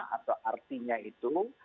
atau rt nya itu